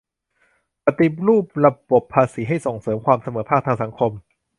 ปฏิรูประบบภาษีให้ส่งเสริมความเสมอภาคทางสังคม